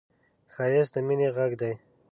ښایست د مینې غږ دی